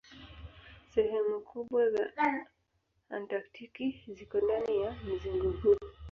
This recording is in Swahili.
Sehemu kubwa ya Antaktiki ziko ndani ya mzingo huu.